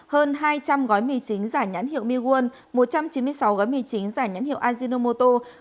hơn hai trăm linh gói mì chính giả nhãn hiệu migue một trăm chín mươi sáu gói mì chính giải nhãn hiệu ajinomoto